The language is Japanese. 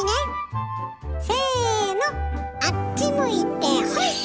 せのあっち向いてホイ！